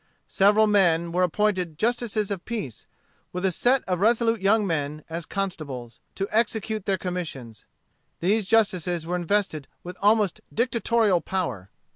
Several men were appointed justices of peace, with a set of resolute young men, as constables, to execute their commissions. These justices were invested with almost dictatorial power.